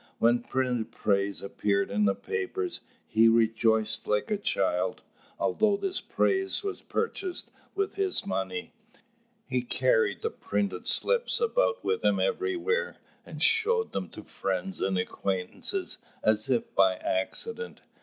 When printed praise appeared in the papers, he rejoiced like a child, although this praise was purchased with his money. He carried the printed slips about with him everywhere, and showed them to friends and acquaintances as if by accident.